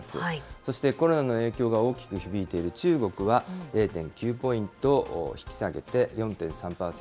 そして、コロナの影響が大きく響いている中国は、０．９ポイント引き下げて４．３％。